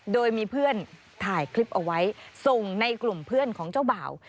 โดยมีเพื่อนถ่ายคลิปเอาไว้ส่งในกลุ่มเพื่อนของเจ้าบ่าว